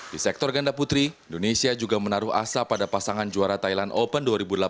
di sektor ganda putri indonesia juga menaruh asa pada pasangan juara thailand open dua ribu delapan belas